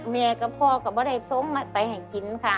แม่กับพ่อก็ไม่ได้ผมไปให้กินค่ะ